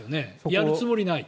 やるつもりない。